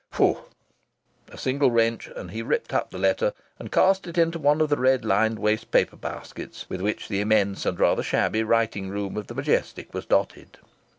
Pooh!... A single wrench and he ripped up the letter, and cast it into one of the red lined waste paper baskets with which the immense and rather shabby writing room of the Majestic was dotted.